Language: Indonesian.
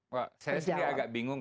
pak saya sendiri agak bingung